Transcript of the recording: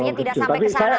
artinya tidak sampai ke sana